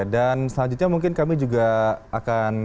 dan selanjutnya mungkin kami juga akan tersenyum